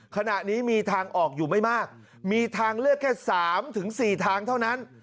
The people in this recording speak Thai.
ขณะนี้มีทางออกอยู่ไม่มากมีทางเลือกแค่๓๔ทางเท่านั้น